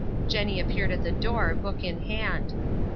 Jenny appeared at the door, book in hand.